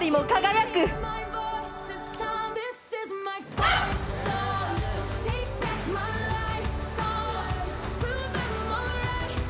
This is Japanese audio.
はい！